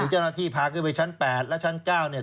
เจ้าหน้าที่พาขึ้นไปชั้น๘และชั้น๙เนี่ย